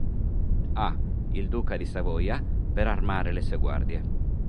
A. il duca di Savoia per armare le sue guardie.